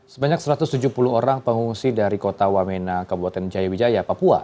sebanyak satu ratus tujuh puluh orang pengungsi dari kota wamena kabupaten jayawijaya papua